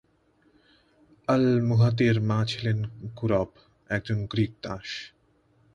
আল-মুহতাদির মা ছিলেন কুরব, একজন গ্রীক দাস।